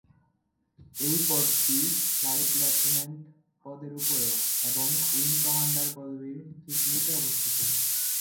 এই পদটি flight lieutenant পদের ওপরে এবং উইং কমান্ডার পদবীর ঠিক নিচে অবস্থিত।